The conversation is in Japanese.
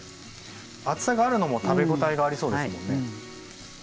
厚さがあるのも食べ応えがありそうですもんね。